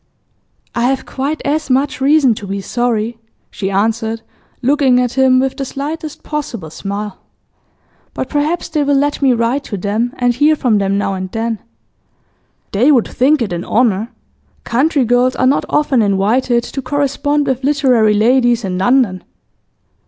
'I have quite as much reason to be sorry,' she answered, looking at him with the slightest possible smile. 'But perhaps they will let me write to them, and hear from them now and then.' 'They would think it an honour. Country girls are not often invited to correspond with literary ladies in London.